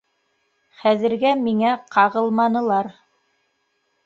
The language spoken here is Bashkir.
Хәҙергә миңә ҡағылманылар.